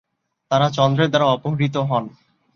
তারা চন্দ্রের দ্বারা অপহৃত হন।